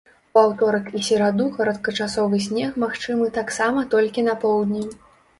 У аўторак і сераду кароткачасовы снег магчымы таксама толькі на поўдні.